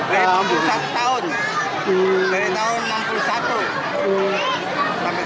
dari tahun seribu sembilan ratus enam puluh satu sampai sekarang